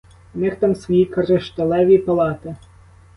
У них там свої кришталеві палати.